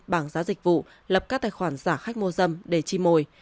bảng giá dịch vụ lập các tài khoản giả khách mua dâm để chi mồi